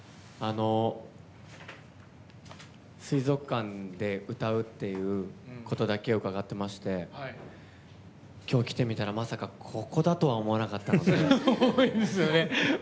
水族館で歌うっていうことだけを伺っていまして今日、来てみたらまさかここだとは思わなかったので。